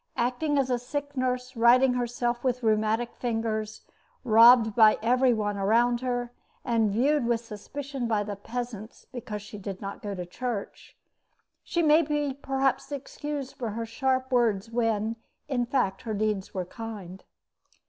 Acting as sick nurse, writing herself with rheumatic fingers, robbed by every one about her, and viewed with suspicion by the peasants because she did not go to church, she may be perhaps excused for her sharp words when, in fact, her deeds were kind.